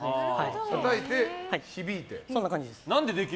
たたいて、響いて。